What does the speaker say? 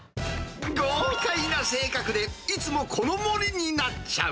豪快な性格で、いつもこの盛りになっちゃう。